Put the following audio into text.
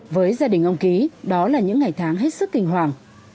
với gia đình ông ký đó là những ngày tháng hết sức kinh hoàng